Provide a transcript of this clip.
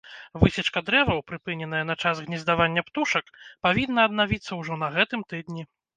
Высечка дрэваў, прыпыненая на час гнездавання птушак, павінна аднавіцца ўжо на гэтым тыдні.